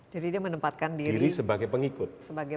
jadi dia menempatkan diri sebagai pengikut